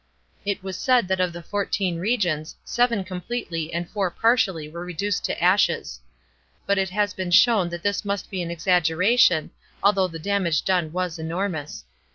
It was said that of the fourteen regions, seven completely and four parrially were reduced to ashes. But it has been shown that this must be an exaggeration, although the damage done was enormous.